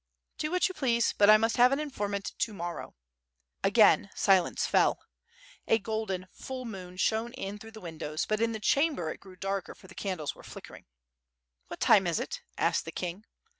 "Do what you please, but 1 must have an informant to morrow." Again silence fell. A golden, full moon shone in through the windows, but in the chamber it grew darker for the candles were flickering. "What time is it?" asked the king.